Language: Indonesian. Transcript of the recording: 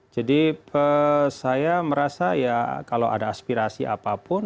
jadi saya merasa ya kalau ada aspirasi apapun